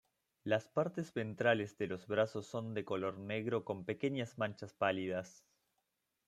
Las partes ventrales de los brazos son de color negro con pequeñas manchas pálidas.